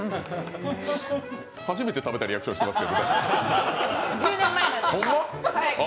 初めて食べたリアクションしてますけど十何年前だから。